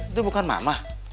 itu bukan mama